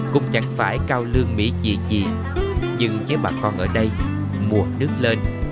cũng chẳng phải cao lương mỹ gì nhưng với bà con ở đây mùa nước lên